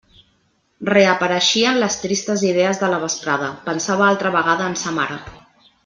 Reapareixien les tristes idees de la vesprada; pensava altra vegada en sa mare.